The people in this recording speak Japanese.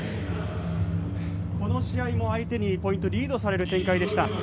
この試合も相手にポイントリードされる展開でした。